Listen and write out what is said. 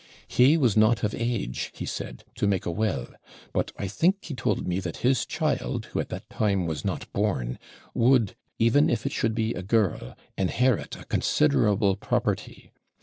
He was not of age, he said, to make a will; but I think he told me that his child, who at that time was not born, would, even if it should be a girl, inherit a considerable property.